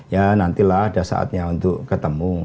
ya nantilah ada saatnya untuk ketemu